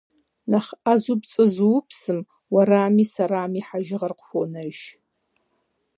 Нэхъ Ӏэзэу пцӀы зыупсым - уэрами сэрами - хьэжыгъэр къыхуонэж.